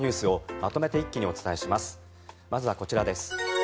まずはこちらです。